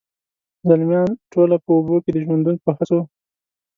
زلمیان ټوله په اوبو کي د ژوندون په هڅو،